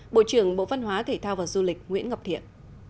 bộ trưởng bộ văn hóa thể thao và du lịch nguyễn ngọc thiện